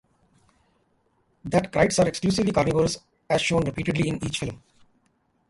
That Krites are exclusively carnivorous as shown repeatedly in each film.